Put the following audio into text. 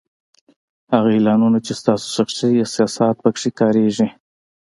هغه اعلانونه چې ستاسو شخصي احساسات په کې کارېږي